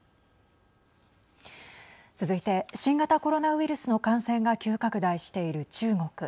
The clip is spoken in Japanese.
続いて新型コロナウイルスの感染が急拡大している中国。